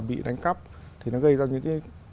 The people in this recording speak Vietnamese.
bị đánh cắp thì nó gây ra những